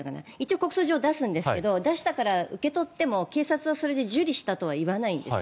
一応告訴状を出すんですが出して、受け取っても警察はそれで受理したとは言わないんです。